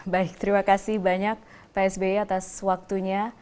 baik terima kasih banyak psby atas waktunya